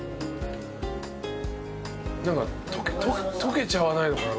なんか溶けちゃわないのかな？